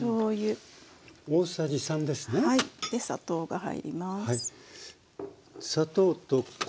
で砂糖が入ります。